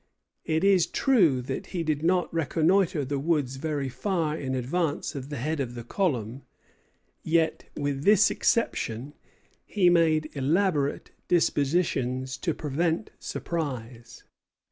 It is true that he did not reconnoitre the woods very far in advance of the head of the column; yet, with this exception, he made elaborate dispositions to prevent surprise.